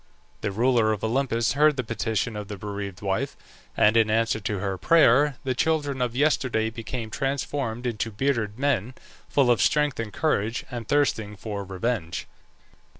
The ruler of Olympus heard the petition of the bereaved wife, and, in answer to her prayer, the children of yesterday became transformed into bearded men, full of strength and courage, and thirsting for revenge.